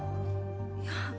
いや。